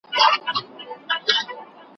ټاکل سوي اهداف هڅي غواړي.